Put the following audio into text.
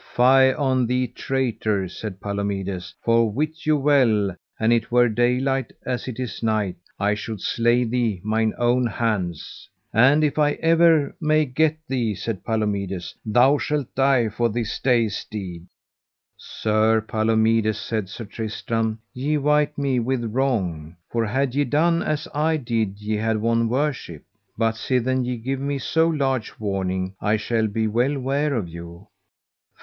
Fie on thee traitor, said Palomides, for wit you well an it were daylight as it is night I should slay thee, mine own hands. And if ever I may get thee, said Palomides, thou shalt die for this day's deed. Sir Palomides, said Sir Tristram, ye wite me with wrong, for had ye done as I did ye had won worship. But sithen ye give me so large warning I shall be well ware of you.